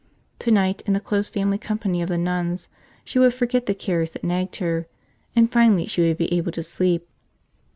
Tonight, in the close family company of the nuns, she would forget the cares that nagged her, and finally she would be able to sleep.